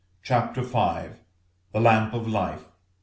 CHAPTER V. THE LAMP OF LIFE.